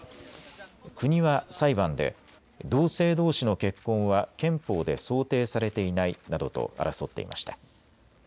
国は裁判で同性どうしの結婚は憲法で想定されていないなどと争っていました。